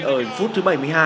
ở phút thứ bảy mươi hai